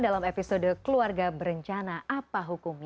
dalam episode keluarga berencana apa hukumnya